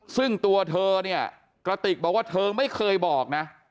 ซึ่งตัวเธอเนี่ยกระติกบอกว่าเธอไม่เคยบอกนะ